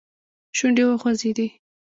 شونډې وخوځېدې.